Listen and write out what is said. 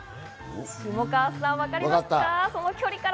下川さん、分かりますか？